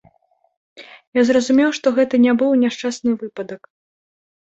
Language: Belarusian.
Я зразумеў, што гэта не быў няшчасны выпадак.